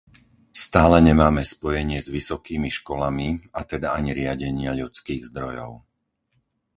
Stále nemáme spojenie s vysokými školami, a teda ani riadenie ľudských zdrojov.